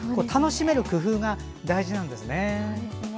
楽しめる工夫が大事なんですね。